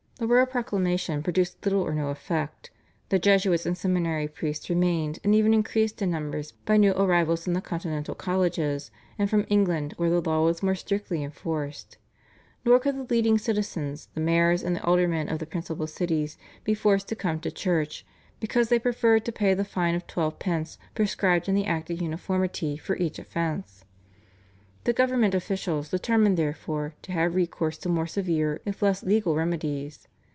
The royal proclamation produced little or no effect. The Jesuits and seminary priests remained and even increased in numbers by new arrivals from the Continental colleges and from England where the law was more strictly enforced. Nor could the leading citizens, the mayors and the aldermen of the principal cities, be forced to come to church, because they preferred to pay the fine of twelve pence prescribed in the Act of Uniformity for each offence. The government officials determined, therefore, to have recourse to more severe if less legal remedies.